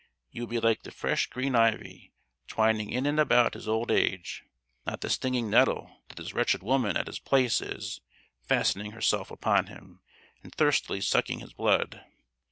You would be like the fresh green ivy, twining in and about his old age; not the stinging nettle that this wretched woman at his place is, fastening herself upon him, and thirstily sucking his blood!